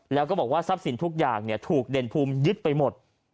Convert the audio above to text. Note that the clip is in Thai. แล้วก็บอกว่าทรัพย์สินทุกอย่างถูกเด่นภูมิยึดไปหมด